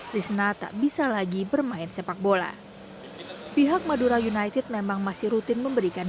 rizna tak bisa lagi bermain sepakbola pihak madura united memang masih rutin memberikan